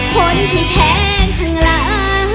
ผลที่แทงข้างล่าง